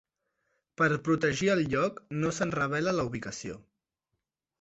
Per protegir el lloc, no se'n revela la ubicació.